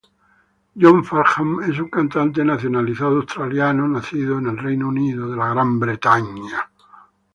John Farnham es un cantante nacionalizado australiano nacido en el Reino Unido.